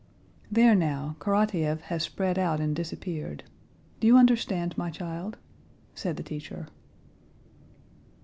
There now, Karatáev has spread out and disappeared. Do you understand, my child?" said the teacher.